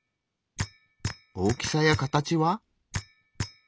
大きさや形は？